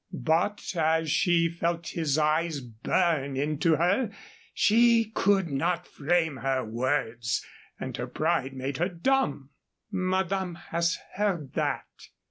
But as she felt his eyes burn into her, she could not frame her words, and her pride made her dumb. "Madame has heard that?"